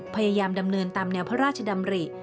พยายามดำเนินตามแนวพระราชดำริ